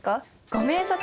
ご明察！